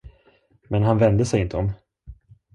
Men han vände sig inte om.